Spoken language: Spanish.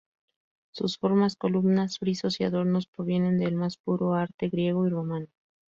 Sus formas, columnas, frisos y adornos provienen del más puro arte griego y romano.